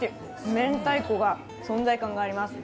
明太子が存在感があります。